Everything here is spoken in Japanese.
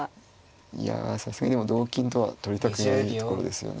いやさすがにでも同金とは取りたくないところですよね。